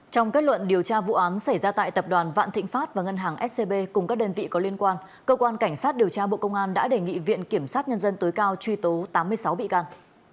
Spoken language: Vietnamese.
trong kết luận điều tra vụ án xảy ra tại tập đoàn vạn thịnh pháp và ngân hàng scb cùng các đơn vị có liên quan cơ quan cảnh sát điều tra bộ công an đã đề nghị viện kiểm sát nhân dân tối cao truy tố tám mươi sáu bị can